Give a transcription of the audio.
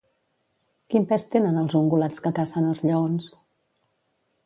Quin pes tenen els ungulats que cacen els lleons?